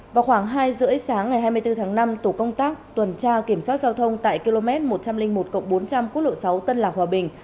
vào khoảng hai h ba mươi sáng ngày hai mươi bốn tháng năm tổ công tác tuần tra kiểm soát giao thông tại km một trăm linh một bốn trăm linh quốc lộ sáu tân lạc hòa bình